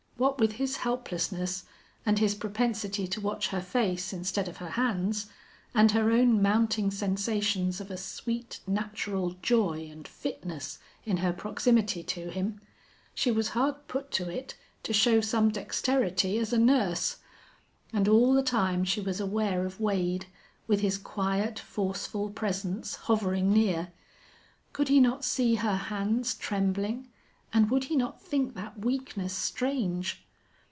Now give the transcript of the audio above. What with his helplessness, and his propensity to watch her face instead of her hands, and her own mounting sensations of a sweet, natural joy and fitness in her proximity to him, she was hard put to it to show some dexterity as a nurse. And all the time she was aware of Wade, with his quiet, forceful presence, hovering near. Could he not see her hands trembling? And would he not think that weakness strange?